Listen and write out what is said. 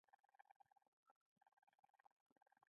ماته زیاته یې له دینه او ایمانه.